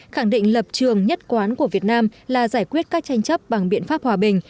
khẳng định lập trường nhất quán của việt nam là giải quyết các tranh chấp bằng biện pháp hòa bình